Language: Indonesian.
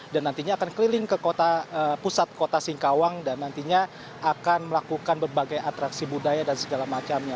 dan nantinya akan keliling ke pusat kota singkawang dan nantinya akan melakukan berbagai atraksi budaya dan segala macamnya